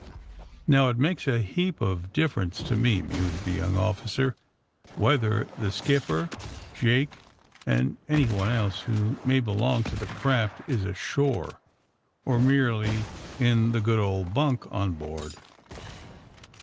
Now, it makes a heap of difference to me," mused the young officer, '^whether the skipper, Jake and anyone else who may belong to the craft is ashore or merely in the good old bunk on board.